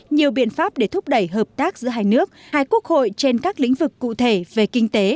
nhiều biện pháp để thúc đẩy hợp tác giữa hai nước hai quốc hội trên các lĩnh vực cụ thể về kinh tế